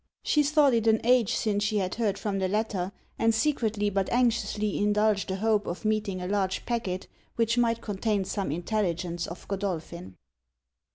She thought it an age since she had heard from the latter; and secretly but anxiously indulged an hope of meeting a large pacquet, which might contain some intelligence of Godolphin.